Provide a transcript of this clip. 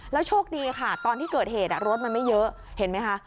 โชคดีค่ะตอนที่เกิดเหตุรถมันไม่เยอะเห็นไหมคะ